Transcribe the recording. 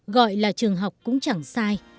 gọi là trường học cũng chẳng sai